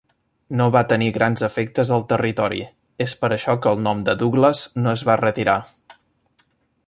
No va tenir grans efectes al territori, és per això que el nom de Douglas no es va retirar.